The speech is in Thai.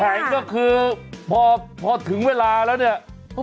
จุดแข็งก็คือพอถึงเวลาแล้ว